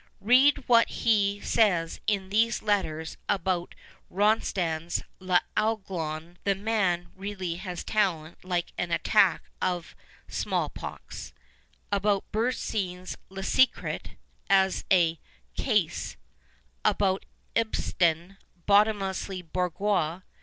Read what he says in these Letters about Rostand's L\liglon (" the man really has talent like an attack of small pox "), about Bernstein's Lc Secret as a *' case," about Ibsen, '' bottomlessly bourgeois